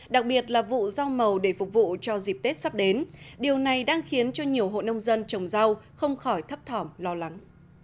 đặc biệt là vụ rau màu để phục vụ cho dịp tết sắp đến điều này đang khiến cho nhiều hộ nông dân trồng rau không khỏi thấp thỏm lo lắng